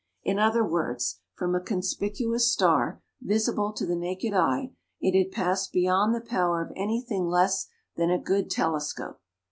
In other words, from a conspicuous star, visible to the naked eye, it had passed beyond the power of anything less than a good telescope.